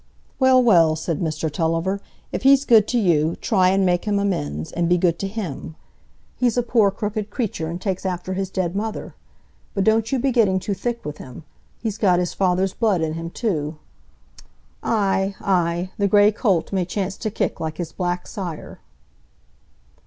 "Well, well," said Mr Tulliver, "if he's good to you, try and make him amends, and be good to him. He's a poor crooked creature, and takes after his dead mother. But don't you be getting too thick with him; he's got his father's blood in him too. Ay, ay, the gray colt may chance to kick like his black sire."